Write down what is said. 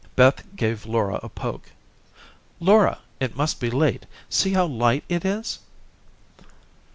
Beth gave Laura a poke, "Laura, it must be late. See how light it is."